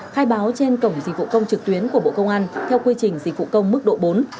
khai báo trên cổng dịch vụ công trực tuyến của bộ công an theo quy trình dịch vụ công mức độ bốn